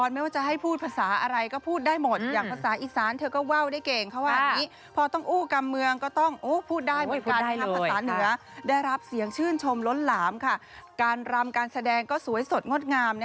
เราเรียกได้ว่าเป็นนางเอกสาวกันนั้นอ่ะ